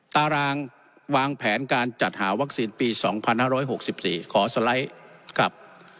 ตารางวางแผนการจัดหาวัคซีนปีสองพันห้าร้อยหกสิบสี่ขอสไลด์ครับ